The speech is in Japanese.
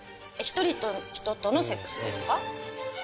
１人の人とのセックスですか？